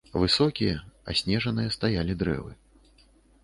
Высокія, аснежаныя стаялі дрэвы.